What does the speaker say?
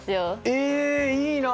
えいいな！